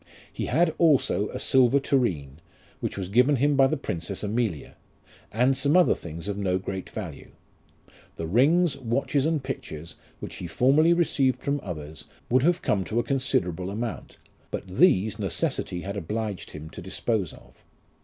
He had also a silver terene, which was given him by the Princess Amelia ; and some other things of no great value. The rings, watches, and pictures, which he formerly/eceived from others, would have come to a considerable amount ; but these necessity had obliged him to dispose of.